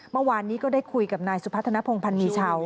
เมื่อวานนี้ก็ได้คุยกับนายสุพัฒนภงพันธ์มีชาว